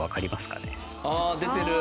ああ出てる。